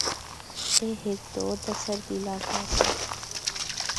اے ہک دور دا سرحدی علاقہ آسا۔